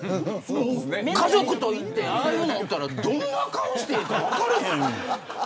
家族と行ってああいう人がいたらどんな顔をしたらいいのか分からへん。